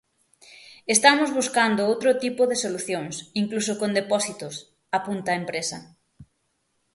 "Estamos buscando outro tipo de solucións, incluso con depósitos", apunta a empresa.